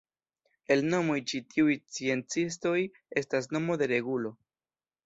El nomoj ĉi tiuj sciencistoj estas nomo de regulo.